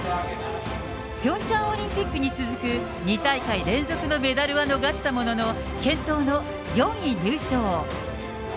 ピョンチャンオリンピックに続く、２大会連続のメダルは逃したものの、健闘の４位入賞。